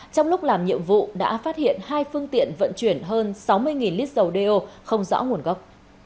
trong lúc làm nhiệm vụ đã phát hiện hai phương tiện vận chuyển hơn sáu mươi lít dầu đeo không rõ nguồn gốc